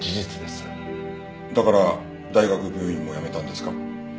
だから大学病院も辞めたんですか？